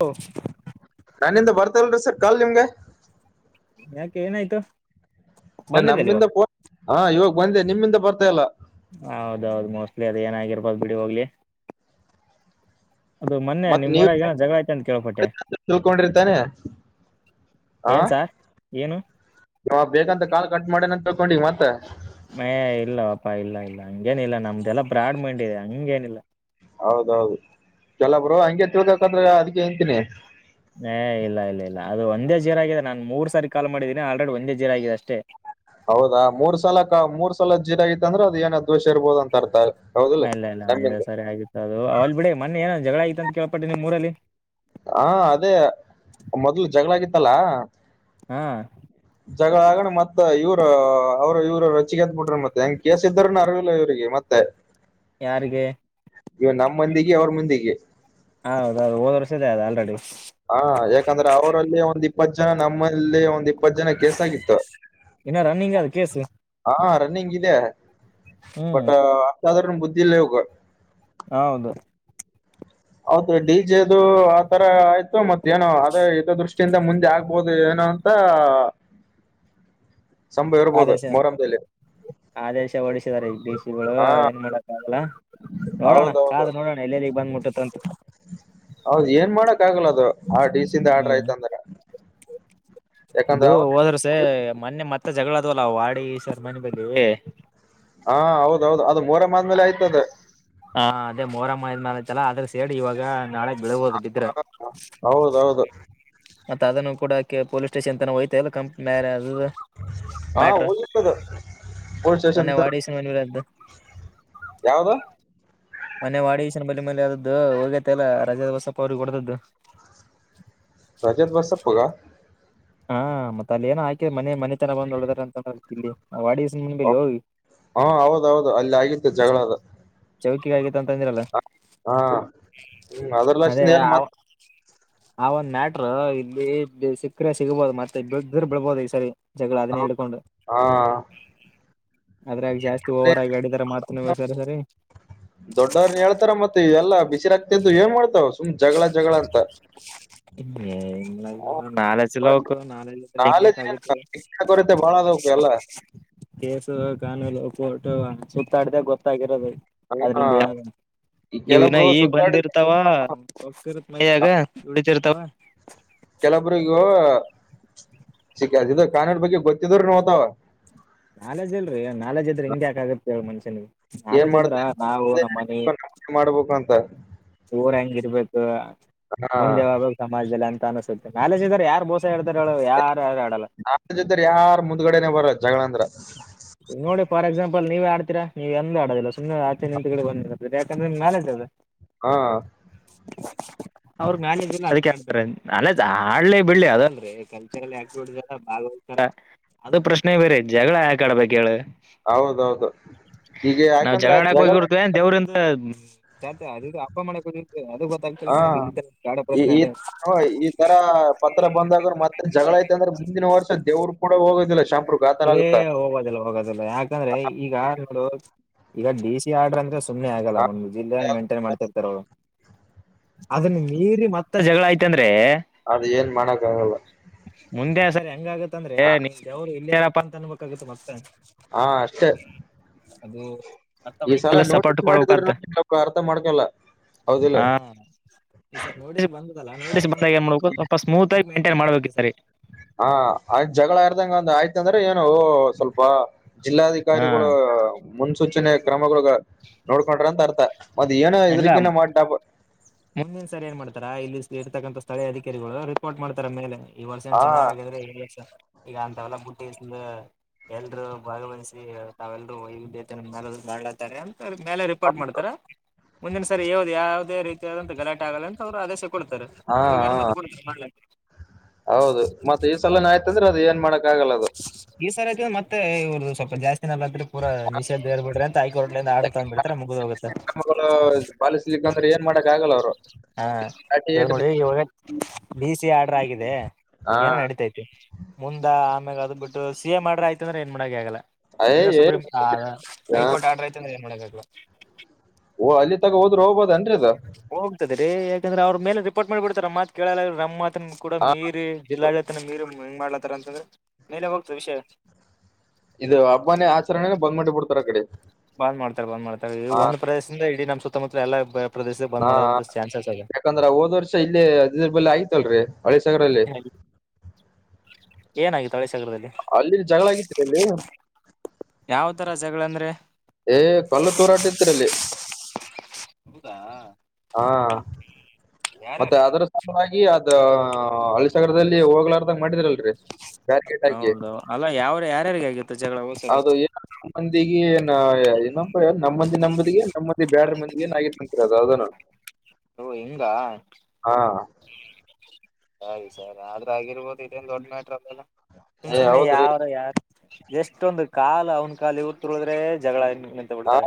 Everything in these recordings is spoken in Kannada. ಹುಂ. ನನ್ನಿಂದ ಬರ್ತಲ್ರರಿ ಸರ್ ಕಾಲ್ ನಿಮ್ಗೆ. ಯಾಕೆ ಏನಾಯ್ತು. ಇಲ್ಲ ಬಂದಿದ್ಯಲ್ಲ ನಮ್ಮಿಂದ ಇವಾಗ ಫೋ ಹಾ ಇವಾಗ ಬಂದೆ ನಿಮ್ಮಿಂದ ಬರ್ತಾಲ್ಲ. ಹೌದೌದು ಮೋಸ್ಟ್ಲಿ ಅದ ಏನಾಗಿರ್ಬೋದು ಬಿಡಿ ಹೋಗ್ಲಿ. ಅದು ಮೊನ್ನೆ ಮತ್ ನಿಮ್ಮ ನೀವ್ ಊರಾಗ್ ಏನೋ ಜಗಳ ಐತೆ ಅಂತ ಕೇಳ್ಪಟ್ಟೆ. ತಿಳ್ಕೊಂಡಿರ್ತಾನೆ ಏನ್ಸಾರ್ ಏನು. ಯಾವಾಗ ಬೇಕಂತ ಕಾಲ್ ಕಟ್ ಮಾಡೇನಂತ ತೊಕೊಂಡಿ ಈಗ ಮತ್ತ. ಮಯ ಇಲ್ಲಪಾ ಇಲ್ಲ ಇಲ್ಲ ಹಂಗೇನ ಇಲ್ಲ ನಮ್ದೆಲ್ಲ ಬ್ರಾಡ್ ಮೈಂಡ್ ಇದೆ ಹಂಗೇನಿಲ್ಲ. ಹೌದೌದು ಕೆಲಬ್ರು ಹಂಗೆ ತಿಳ್ಬೇಕಂದ್ರೆ ಅದಕ್ಕೆ ಅಂತೀನಿ. ಏ ಇಲ್ಲ ಇಲ್ಲ ಇಲ್ಲ ಅದು ಒಂದೇ ಜೀರ ಆಗಿದೆ ನಾನ್ ಮೂರ್ ಸಾರಿ ಕಾಲ್ ಮಾಡಿದ್ದೀನಿ ಆಲ್ರೆಡಿ ಒಂದೇ ಜೀರ ಆಗಿದೆ ಅಷ್ಟೇ. ಹೌದಾ ಮೂರ್ ಸಲ ಮೂರ್ ಸಲ ಜೀರ ಆಗತ್ತ ಅಂದ್ರೆ ಅದ ಏನಾದ ದೋಷ ಇರ್ಬೋದ ಅಂತ ಅರ್ಥ. ಹೌದಿಲ್ಲ ಇಲ್ಲ ಇಲ್ಲ ಅಂದೆ ನಮ್ಮಿಂದ ಸರಿ ಆಗಿತ್ತು ಅದು ಅಲ್ ಬಿಡಿ ಮೊನ್ನೆ ಏನ ಜಗಳ ಆಯಿತ್ತು ಅಂತ ಕೇಳ್ಪಟ್ಟಿ ನಿಮ್ ಊರಲ್ಲಿ. ಹಾ ಅದೇ ಮೊದ್ಲು ಜಗಳಾಗಿತ್ತಲ್ಲಾ. ಹಾಂ [inaudible] ಜಗಳ ಆಗಣ ಮತ್ ಇವ್ರು ಅವ್ರು ಇವ್ರು ರೆಚ್ಚಿಗೆದಬಿಟ್ರ ಮತ್ತೆ ಹೆಂಗೆ ಕೇಸ್ ಇದ್ದ್ರನ ಅರ್ವಿಲ್ಲ ಇವ್ರಿಗೆ ಮತ್ತೆ. [unintelligible] ಯಾರಿಗೆ. ನಮ್ಮಂದಿಗೆ ಅವ್ರ ಮುಂದಿಗೆ. ಹೌದೌದು ಹೋದ್ ವರ್ಷ ಇದೆ ಅದು ಆಲ್ರೆಡಿ. ಹಾ ಯಾಕಂದ್ರೆ ಅವ್ರಲ್ಲಿ ಒಂದ್ ಇಪ್ಪತ್ತು ಜನ ನಮ್ಮಲ್ಲಿ ಒಂದ್ ಇಪ್ಪತ್ ಜನ ಕೇಸ ಆಗಿತ್ತು. ಇನ್ನ ರನ್ನಿಂಗ ಅದ ಕೇಸು. ಹಾ ರನ್ನಿಂಗ್ ಇದೆ ಹ್ಮ್ ಬಟ್ ಅಷ್ಟಾದ್ರ ಬುದ್ದಿ ಇಲ್ಲ ಯುವಾಗ. ಹೌದು. ಹೌದು ಡಿ ಜೆ ದು ಆತರ ಆಯ್ತು ಮತ್ತ ಏನೋ ಅದ ಇದ ದೃಷ್ಟಿಯಿಂದ ಮುಂದೆ ಆಗ್ಬೋದು ಏನೋ. ಸಂಭ ಇರ್ಬೋದು ಮೋರಾಮದಲ್ಲಿ. ಆ ದೇಶ ಹೊಡಿಸಿದಿದ್ದಾರೆ [unintelligible] ಗಳು ಹಾ ಏನ್ ಮಾಡಕ್ಕ ಆಗಲ್ಲ ನೋಡೋಣ ಹೌದೌದು ಕಾದ ನೋಡೋಣ ಎಲ್ಲೆಲ್ಲಿಗ್ ಬಂದ್ ಮುಟ್ಟುತಂತ್. ಹೌದ್ ಏನ್ ಮಾಡಕ್ ಆಗಲ್ಲ ಅದು ಆ ಡಿ ಸಿ ಯಿಂದ ಆಡ್ರ ಹ್ಮ್ ಆಯ್ತ ಅಂದ್ರ. ಇದು ಅವ್ರ ಹೋದ್ರ ವರ್ಸೆ ಮೊನ್ನೆ ಮತ್ತೆ ಜಗಳ ಅದ್ವಲ್ಲ ವಾಡಿ ಸರ್ ಮನೆ ಮೇಲೆ. ಹಾ ಹೌದೌದು ಅದು ಮೋರಮ ಆದ್ಮೇಲೆ ಆಯ್ತದ. ಹ ಅದೇ ಮೋರಮ್ಮ ಇದ್ಮಾಲತಲ್ಲ ಆದ್ರ ಸೇಡ್ ಇವಾಗ ನಾಳೆ. ಬೀಳ್ಬೋದು ಬಿದ್ರ ಹೌದೌದು. ಮತ್ತ ಅದನ್ನು ಕೂಡ ಪೊಲೀಸ್ ಸ್ಟೇಷನ್ ತನ ಹೋಯ್ತಾಲ್ಲಂ [unintelligible] ಮ್ಯಾಟ್ರ. ಪೋಲೀಸ್ ಸ್ಟೇಷನ್ ಮೊನ್ನೆ ವಾಡೀಶನ್ ಮನಿ ಮೇಲೆ ಆದ್ದು ಯಾವ್ದು. ಮನೆ ವಾಡೇಶ್ನ ಬಲಿ ಮೇಲೆ ಆದದ್ದು ಹೋಗೇ ಎಲ್ಲ ರಜಾ ಬಸಪ್ಪ ಅವ್ರಿಗೆ ಒಡ್ಡಿದ್ದು. ರಜತ್ ಬಸಪ್ಪ್ಗ ಹಾ ಮತ್ ಅಲ್ಲಿ ಏನ ಹಾಕ ಮನೆ ಮನೆ ತನ ಬಂದ್ ಒಡ್ಡರಂತ ಅಂತ ತಿಲ್ಲಿ. [unintelligible] ಹಾ ಹೌದೌದು ಅಲ್ಲಿ ಆಗಿತ್ತು ಜಗಳ ಅದು. ಚೌಕಿಗಾಗಿತ್ತು ಅಂತಂದಿರಲ್ಲ ಹಾ ಹ್ಮ್ ಅದೇ. ಅದ್ರಲಕ್ಷಿಂದ ಏನ್ ಮತ್ ಆ ಒಂದ್ ಮ್ಯಾಟ್ರ ಇಲ್ಲಿ ಸಿಕ್ಕರೆ ಸಿಗ್ಬೋದು ಮತ್ತೆ ಬ್ರ ಬಿಳ್ಬೋದು ಈ ಸರಿ. ಜಗಲ ಅದೇ ಎಡುಕೊಂಡೊಂಡು ಹ ಅದ್ರಾಗ ಜಾಸ್ತಿ ಓವರ್ ಆಗ ಆಡಿದ್ರ ಮತ್ರತ್ ಸರಿ ಸರಿ ದೊಡ್ಡವ್ರನ ಹೇಳ್ತಾರ ಮತ್ತೆ ಎಲ್ಲ ಬಿಸಿರಕ್ತ ಇದ್ದಿವ ಏನ ಮಾಡ್ತಾವ ಸುಮ್ ಜಗಳ ಜಗಳ ಅಂತ ಹ್ಮ ನಾಲೇಜ ಇಲ್ಯಾ ಅವಕ ನಾಲೇಜ ಇದರ ಹೀಗ ಯಾಕ ನಾಲೆಜ್ ಏನ್ ಆಗುತ್ತ ಶಿಕ್ಷಣ ಕೊರತೆ ಬಾಳ ಅದವಕ್ ಎಲ್ಲ ಕೇಸು ಕಾನೂನು ಕೋರ್ಟ ಸುತ್ತಾಡ್ದ ಗೊತ್ತಾಗಿರೋದು ಹ ಈ ಕೆಲೊಬ್ರು ಸುತ್ತಾಡಿದ [unintelligible] ದುಡಿತಿರ್ತಾವ ಕೆಲೊಬ್ರಗೂ ಸಿ ಇದು ಕಾನಡ ಬಗ್ಗೆ ಗೊತ್ತಿದ್ರ ನೋತಾವ ನಾಲೇಜ್ ಅಲ್ರೀ ನಾಲೆಜ್ ಇದ್ರೆ ಹಿಂಗಗೆ ಯಾಕಾಗತ್ತೆ ಮನುಷ್ಯನಿಗೆ ಏನ್ ನಾಲೆಜ್ ಮಾಡ್ತ ಇದ್ರ ನಾವು ನಮ್ಮ್ ಮನೆ ಮಾಡ್ಬೇಕು ಅಂತ ಊರ ಹೆಂಗ ಇರ್ಬೇಕು ಹ ಮುಂದೆವಾಗ ಸಮಾಜದಲ್ಲಿ ಅಂತ ಅನ್ಸುತ್ತೆ ನಾಲೇಜ ಇದಾರೆ ಯಾರು ಮೋಸ ಹ ಹೇಗತಾರ ಯಾರು ಆಡಲ್ಲ ನಾ ಜೊತೆರ್ ಯಾರ ಮುಂದ್ಗಡೆನೆ ಬರಲಾ ಜಗಳಂದ್ರ. ನೋಡಿ ಫಾರ್ ಎಕ್ಸಾಂಪಲ್ ನೀವೇ ಆಡ್ತೀರ ನೀ ಎಂದ ಆಡೋಲ್ಲ ಸುಮನೆ ಆಚೆ ನಿಂತ ಕಡೆ ಬಂದಿರ್ ಯಾಕಂದ್ರೆ ನಿ ಮೇತದೆ. ಹಾ. ಅವ್ರ ಮ್ಯಾಲ ಇದ ಅದಕ್ಕೆ ಹೇಳ್ತಾರೆ ಅಲ್ಲೇ ಹಲೆೇ ಬಿಳಳ್ಳಿ ಅದಲ್ರರಿ. ಕಲ್ಚರಲ್ ಆಕ್ಟ ಬಾಗ್ತಾರ ಅದು ಪ್ರಶ್ನೆ ಬೇರೆ ಜಗಳ ಯಾಕಾ ಆಡ್ಬೇಕ ಹೇಳ ಹೌದೌದು ಈಗ ಯಾಕಂದ್ರೆ ಆ ಜಗಳ ದೇವ್ರಂದ ಹಬ್ಬ ಮನೆ ಅದು ಗೊತ್ತ ಇಲ್ಲಿ ಕಾಡ ಈ ಪ್ರಶ್ನೆ ಅದೆ ತರ ಹ ಈ ಈ ತರ ಪತ್ರ ಬಂದಾಗರು ಮತ್ತೆ ಜಗಳ ಐತೆ ಅಂದ್ರೆ ಮುಂದಿನ ವರ್ಷ ದೇವ್ರು ಕೂಡ ಹೋಗೋದಿಲ್ಲ ಶಾಂಪ್ರೂರಕ್ಕ ಏ ಹೋಗೋದಿಲ್ಲ ಹೋಗೋದಿಲ್ಲ ಯಾಕಂದ್ರೆ ಈಗ ನೋಡು ಈಗ ಡಿ ಸಿ ಆರ್ಡರ್ ಅಂದ್ರೆ ಸುಮ್ಮನೆ ಆಗಲ್ಲ ಮೈಂಟೈನ್ ಮಾಡ್ತಿರ್ತಾರೆ ಅವರು ಅದನ್ನ ಮೀರಿ ಮತ್ತ ಜಗಳ ಆಯ್ತ ಅಂದ್ರೆ ಅದ ಏನ್ ಮಾಡಕ್ಕ ಆಗಲ್ಲ ಮುಂದೆ ಸರಿ ಹೆಂಗಗತ್ತ ಅಂದ್ರೆ ನಿಮ್ಗೆ ಯವ್ರು ಇಲ್ಲಯರಪ್ಪಾ ಅಂತ ಅನ್ಬೇಕಗುತ್ತ ಮಕ್ತ ಹಾ ಅಷ್ಟೇ ಅದು ಮತ್ತ ಈ ಸಲ ವಲ್ ಸಪೋರ್ಟ್ ನೋಟಿಸ್ ಮಾಡಿದ್ರೆ ಕೊಡ್ಬೇಕತ್ ಸ್ವಲ್ಪ ಅರ್ಥ ಮಾಡ್ಕೊಲ್ಲ ಹೌದಿಲ್ಲ ಹಾ ಈ ಸರಿ ನೋಟಿಸ ಬದಲ್ಲ ನೋಟಿಸ ಬಂದಾಗ ಏನ್ ಮಾಡ್ಬೇಕು ಸ್ಲ್ಪ ಸ್ಮೂತ್ ಆಗಿ ಮೈಂಟೈನ್ ಮಾಡ್ಬೇಕ ಈ ಸರಿ ಹಾ ಆಯ್ತತ್ ಜಗಳ ಇರ್ದಂಗ ಒಂದ್ ಆಯ್ತ ಅಂದ್ರೆ ಏನು ಸ್ವಲ್ಪ ಹಾ ಜಿಲ್ಲಾಧಿಕಾರಿಗಳು ಮುನ್ಸೂಚನೆ ಕ್ರಮಗಳುಗ ನೋಡ್ಕೊಂಡ್ರ ಅಂತ ಅರ್ಥ ಮತ್ತ ಏನ ಇದ್ರಕನ ಮಾಡಿ ಡಾಬ ಮುಮ್ಮಿನ ಸರಿ ಏನ್ ಮಾಡ್ತಾರಾ ಇಲ್ಲಿ ಇರ್ತಕ್ಕಂಥ ಸ್ಥಳೀಯ ಅಧಿಕಾರಿಗಳು ರಿಪೋರ್ಟ್ ಮಾಡ್ತಾರ ಮೇಲೆ ಈ ವರ್ಷ ಹಾ ಚೆನ್ನಾಗಗಿದ್ರೆ ವರ್ಷ ಈಗ ಅಂತವೆಲ್ಲ ಬುಟ್ಟಿ ಎಲ್ರೂ ಭಾಗವಹಿಸಿ ತಾವೆಲ್ರೂ ವೈವಿಧ್ಯತ ಮೇ ಮಾಡ್ಲಾತಾರೆ ಅಂತ ಮೇ ಹಾ ಪಾಟ್ ಮಾಡ್ತಾರಾ ಮುಂದಿನ ಸರಿ ಯ್ದ ಯಾವ್ದೇ ರೀತಿಯಾದಂತ ಗಲಾಟೆ ಆಗಲ್ಲ ಅಂತ ಅವರು ಆದೇಶ ಕೊಡ್ತಾರೆ ಹಾ ಹಂಗಗೆ ಅನುಮತಿ ಕೊಡ್ತಾರೆ ಮಾಡ್ಕ್ಕೆ ಹೌದು ಮತ್ತೆ ಈ ಸಲನ ಆಯ್ತಂದ್ರೆ ಅದು ಏನ್ ಮಾಡಕ್ ಆಗಲ್ಲ ಅದು ಈ ಸರ್ ಆಯ ಮತ್ತೆ ಇ್ರದ್ದ ಸ್ವಲ್ಪ ಜಾಸ್ತಿ ಏಲ್ಲ ಅ್ರ ಪೂರ ನಿಷೇಧೇರ್ ಬಿರ ಅಂತ ಐಕೋ ಆಟ ತಗ್ಬ ಬಿಡ್ತರ ಮುಗು ಹೋಗುತ್ತೆ ಪಾಲಿಸ್ಲಿ ಅಂದ್ರೆ ಏನ್ ಮಾಡಕ್ ಆಗಲ್ಲ ಅವರು ಹಾ ಇವಾಗ ನೋಡಿ ಇವಾಗ ಬಿ ಸಿ ಆರ್ಡ್ರ ಆಗಿದೆ ಹಾ ಏನೋ ನಡಿತೈತಿ ಮುಂದ ಆಮ್ಯಾಗ ಅದ್ ಬಿಟ್ಟು ಸಿ ಎ ಮಾಡ್ರ ಆಯ್ತಿ ಅಂದ್ರೆ ಏನ್ ಮಾಡಕ ಆಗಲ್ಲ ಅಯ್ಯ ಇಲ್ಲ ಏ ಸುಪ್ರೀಂ ಹ ಆ, ಹೈಕೋರ್ಟ್ ಆರ್ಡ್ರಐತ ಏನ್ ಮಾಡಕ್ಕಾಗಲ್ಲ ಓ ಅಲ್ಲಿ ತಗ ಹೋದ್ ಹೋಗಬದನ್ರಿ ಇದು ಹೋಗ್ತದೆ ರೀ ಯಕಂದ್ರೆರ ಮೇಲೆ ರಿಪೋಟ್ ಮಾಡ ಬಿಡ್ತಾರಾ ನಮ್ ಮಾತು ಕೇಳಲ್ಲ ಕೂಡ ಆ, ಮೀರಿ ಜಿಲ್ಲಾಡಳಿತನ ಮೀರಿ ಹೆಂಗ್ ಮಾಡ್ಲತಾರ ಅಂತಂದ್ರೆ ಮೇಲೆ ಹೋಗ್ತದೆ ವಿಷಯ ಇದು ಅಬ್ಬಾನೇ ಆಚರಣೆನ ಬಂದ್ ಮಾಡಟ್ಟಿ ಬಿಡ್ತಾರ ಆ ಕಡೆ ಬಂದ್ ಮಾಡ್ತಾರೆ ಬಂದ್ ಮಾಡ್ತಾರೆ ಇ ಒಂದು ಪ್ರದೇಶದಿಂದ ಇಡೀ ನಮ್ ಸುತ್ತಮುತ್ತಲ ಎಲ್ಲಾ ಪ್ರದೇಶದ ಬಂದ್ ಮಾಡದಂತ ಚಾನ್ಸಸ್ ಅದೆ ಯಾಕಂದ್ರೆ ಹೋದ್ ವರ್ಷ ಇಲ್ಲಿ ಅದರ್ ಬೆಲೇ ಆಯ್ತಲ್ರರಿ ಹಳೆ ಸಾಗರಲ್ಲಿ ಏನಾಗಿ ಹಳೆ ಸಗರದಲ್ಲಿ ಅಲ್ಲಿ ಜಗಳ ಆಗಿತ್ತು ಅಲ್ಲಿ ಯಾವತರ ಜಗಳಂದ್ರೆ ಏ ಕಲ್ಲು ತೂರಾಟತಿರಲ್ಲಿ ಹೌದಾ ಹಾ ಮತ್ತೆ ಯಾರ್ಯಾರಿಗೆ ಅದ್ರ ಸಲುವಾಗಿ ಅದ ಹಳ್ಳಿ ಸಗರದಲ್ಲಿ ಹೋಗ್ಲಾರದಾಗ ಮಾಡಿದರಲ್ ಹೌದ ಅಲ್ಲ ಯಾರ ಯಾರ್ಯಾರಿಗೆ ಆಗಿತ್ತು ಜಗಳ ಸರಿ ಅದು ನಮ್ಮಂದಿಗೆ ಏನಪ್ಪ ನಮ್ಮ ಮಂದಿ ನಮ್ಮದಿಗೆ ನಮ್ಮಂದಿ ಬೇಡ್ರ ಮಂದಿ ಏನ ಆಗಿತ್ತು ಅದು ಅದನು [unintelligible] ಓ ಹಿಂಗ ಹಾ ಸರಿ ಸರಿ ಆದ್ರ ಆಗಿರ್ಬೋದು ಇದೇನ್ ದೊಡ್ಡ ಮಟ್ರ ಅಲ್ಲಲ್ಲ ಸುಮ್ ಏ ಸುಮ್ನೆ ಹೌದ್ರಿ ಯಾವಾರ ಯಾರು ಎಷ್ಟೊಂದು ಕಾಲ ಅವನ ಕಾಲ ಇತ್ತು ಹೋದ್ರೆ ಜಗಳ ನಿಂತು ಹಾ ಬಿಡ್ತಾರೆ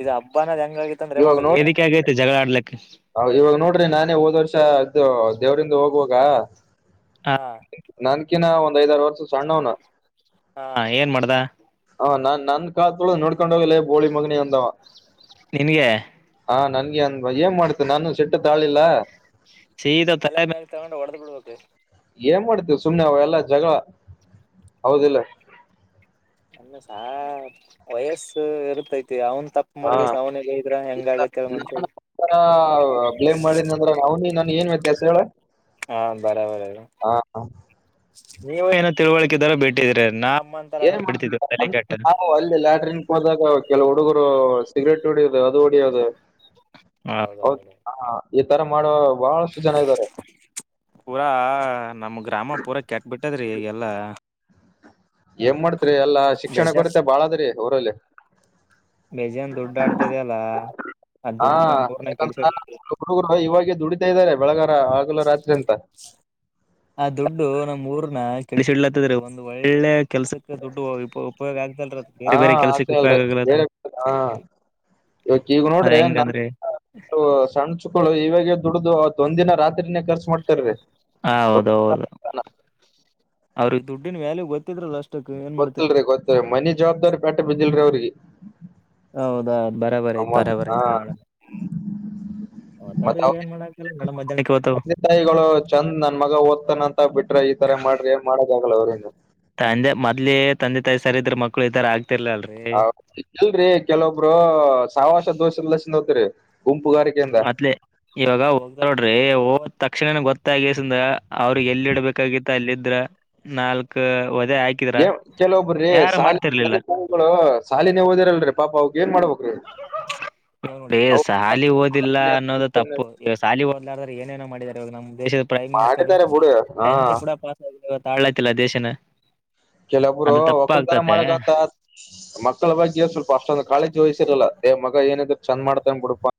ಇದು ಹಬ್ಬ ಅನ್ನೋದ್ ಹೆಂಗಾಗಿತ್ತ ಅಂದ್ರೆ ಒಂದು ವೇದಿಕೆ ಆಗೈತಿ ಜಗಳ ಆಡ್ಲಿಕ್ಕೆ ಹ ಇವಾಗ ನೋಡ್ರಿ ನಾನೇ ಹೋದ್ ವರ್ಷ ಇದು ದೇವ್ರಂದ ಹೋಗುವಾಗ ಹಾ ನನ್ಕಿನ ಒಂದ್ ಐದ ಆರು ವರ್ಷ ಸಣ್ಣವನ ಹಾ ಏನ್ ಮಾಡ್ದ ಹ ನಾನ್ ಕಾಲು ಕಾತುಳ ನೋಡ್ಕೊಂಡ ಹೋಗಲ್ಲ ಬೋಳಿ ಮಗನಿ ಅಂದವ ನಿನಗೆ ಹಾ ನನ್ಗೆ ಅಂದ ಏನ್ ಮಾಡತ ನಾನು ಸಿಟ್ಟ ತಾಳಿಲ್ಲ ಸೀದ ತಲೆ ಬ್ಯಾಗ ತಗೊಂಡು ಹೊಡೆದ್ ಬಿಡ್ಬೇಕು ಏನ್ ಮಾಡ್ತಿವಿ ಸುಮ್ಮನೆ ಅವ ಎಲ್ಲಾ ಜಗಳ ಹೌದಿಲ್ಲ ಅಮ್ಮ ಸ ವಯಸ್ಸು ಇರರ್ತೈತಿ ಅವನ್ ತಪ್ಪ ಹಾ ಸಾವನ್ನೆಲ್ಲ ಇದ್ರಾ ಹೆಂಗ ಆಗತ್ತೆಲ್ಲ ಮತ್ತೆ ನಾನ ಬ್ಲೇಮ್ ಮಾಡಿದ ಅಂದ್ರ ಅವನಿ ನನ್ ಏನ್ ವ್ಯತ್ಯಾಸ ಹೇಳ ಹಾ ಬರಬರ ಹ ನೀವು ಏನೋ ತಿಳುವಳ್ಕಿದಾರ ಬಿಟ್ಟಿದೀರ ನಮ್ಮ ಏನ್ ಮಾಡ್ಲ್ಲ ನಾವು ಅಲ್ಲಿ ಲಾಟ್ರ ದಾಗ ಕೆಲವು ಹುಡುಗರು ಸಿಗರೇಟ್ ಹೊಡಿಯದು ಅದು ಹೊಡಿಯೋದು [unintelligible] ಹಾ ಈ ತರ ಮಾಡುವ ಬಹಳಷ್ಟು ಜನ ಇದಾರೆ ಪೂರಾ ನಮ ಗ್ರಾಮ ಪೂರಾ ಕೆಟ್ ಬಿಟ್ಟದ್ರೀ ಈಗೆಲ್ಲ ಏನ್ ಮಾಡ್ತ್ರಿ ಎಲ್ಲಾ ಶಿಕ್ಷಣ ಬೇಜಾನ್ ಕೊರತೆ ಬಾಳದ್ರಿ ಅವಊರಲ್ಲಿ ಬೇಜನ್ ದುಡ್ಡು ಆಡ್ತಿದ ಅಲ್ಲ ಆ ಹಾ ದುಡ್ಡು ನ ಕೆ ಯಾಕಂದ್ರೆ ಹುಡುಗರು ಇವಾಗೆ ದುಡಿತಾ ಇದ್ದಾರೆ ಬೆಳಗಾರ ಆಗಲ ರಾತ್ರಿ ಅಂತ ಆ ದುಡ್ಡು ನಮ್ ಊರ್ನ ಕೆಳಿಸಿಡ್ಲತ್ತದ್ರೆ ಒಂದು ಒಳ್ಳೆ ಕೆಲ್ಸಕ್ಕೆ ದುಡ್ಡು ಉಪಯೋಗ ಆಗ್ತಲ್ರ ಅದು ಹಾ ಬೇರೆ ಬೇರೆ ಆಗ್ತಾ ಕೆಲಸಕ್ಕೆ ಇಲ್ರಿ ಉಪಯೋಗ ಆಗ್ಲ ಇವಕ್ ಈಗ ನೋಡ್ರಿ ನನ್ನ ಸಣ್ಚುಕಳು ಇವಾಗೆ ದುಡ್ಡು ಅವತ್ ಒಂದ ದಿನ ರಾತ್ರಿನೇ ಖರ್ಚು ಮಾಡ್ತಾರೀ. ಹ ಹೌದೌದು ಅವ್ರಿಗೆ ದುಡ್ಡಿನ ವ್ಯಾಲ್ಯೂ ಗೊತ್ತಿದ್ರಲ್ಲಷ್ಟ. ಗೊತ್ತಿಲ್ರಿ ಗೊತ್ತಲ್ರಿ ಮನಿ ಜವಾಬ್ದಾರಿ ಪೇಟ್ಟ ಬಿದ್ದಿಲ್ರಿ ಅವ್ರಿಗೆ. ಹೌದಾ ಬರೋಬರಿ ಆಯ್ತಿ ಮತ್ ಬರೋಬರಿ ಹಾ ಆಯ್ತಿ ಎಲ್ಲಾ. ಮತ್ತ ಮತ್ ಅವ್ರ ಅವ್ರಿಗೆ ಏನ್ ಮಾಡಾಕಿಲ್ಲ ನಡ ಮಧ್ಯಾಹ್ನಕ ಹೋಗ್ತವ. ತಂದೆ ತಾಯಿಗಳು ಚಂದ್ ನನ್ ಮಗ ಓದ್ತನ ಅಂತ ಬಿಟ್ರ ಈ ತರ ಮಾಡ್ರಿ ಮಾಡೋದಾಗಲ್ಲ ಅವ್ರಿಂದ. ತಂದೆ ಮೊದ್ಲಿ ತಂದೆ ತಾಯಿ ಸರಿ ಇದ್ರ ಮಕ್ಕಳು ಇದ ತರ ಆಗ್ತಿರ್ಲಲ್ರಿ. ಹ ಇಲ್ರರಿ ಕೆಲೋಬ್ಬ್ರು ಸವಾಸ ದೋಸ ಎಲ್ಲಸಿಂಧ್ ಹೋತ್ರಿ. ಅತ್ಲೆ. ಇವಾಗ ಹೋಗ ನೋಡ್ರಿ ಹೋದ್ ತಕ್ಷಣನ ಗೊತ್ತಾಗಸಿಂಧ ಅವ್ರಿಗೆ ಎಲ್ಲಿ ಇಡ್ಬೇಕಾಗಿತ್ತ ಅಲ್ಲಿ ಇದ್ರ ನಾಲ್ಕ್ ಒದೇ ಹಾಕಿ ಕೆಲೊಬ್ರೀ ಸಾಲಿಲಗಳು ಸಾಲಿನ ಓದಿರಲ್ರರಿ ಪಾಪ ಅವಿ ಏನ್ ಮಾಡ್ಬೇಕ್ರೀ [inaudible] ನ ನೋಡ್ರ ಸಾಲಿ ಓದಿಲ್ಲ ಅನ್ನೋದು ತಪ್ಪು ಈವ ಸಾಲಿ ಓದಲಾರ್ರೆ ಏನೇನೋ ಮಾಡಿದಿದ್ದಾರೆ ಇವಾಗ ನಮ್ಮ್ ದೇಶದ ಪ್ರಮ್ ಮಿನಿಸ್ಟರ್ ಮಾಡಿದ್ದಾರೆ ಬಿಡು ಹಾ ಸೈನ್ಸ ಕೂಡ ಪಾಸ್ ಆಗ ಇವತ್ತು ಆಲಕ ತಿಲ್ಲ ದೇಶನ ಕೆಲೊಬ್ರು ಅದು ಒಕ್ಕಲ್ ತನ ತಪ್ಪಾಗ್ತತೆ ಮಾಡಕಂತಸ್ ಮಕ್ಕಳ ಬಗ್ಗೆ ಸ್ವಲ್ಪ ಅಷ್ಟೊಂದು ಕಾಳಜಿ ವಹಿಸಿರಲ್ಲ ಎ ಮಗ ಏನಿದ್ರರು ಚಂದ ಮಾಡ್ತಾನ ಬಿಡುಪಾ.